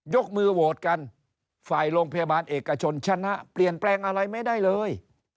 กมือโหวตกันฝ่ายโรงพยาบาลเอกชนชนะเปลี่ยนแปลงอะไรไม่ได้เลย